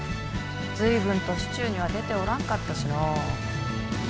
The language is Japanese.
随分と市中には出ておらんかったしの。